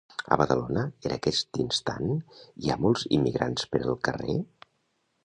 A Badalona en aquest instant hi ha molts immigrats per el carrer?